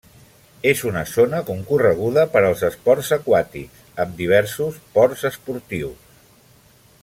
És una zona concorreguda per als esports aquàtics, amb diversos ports esportius.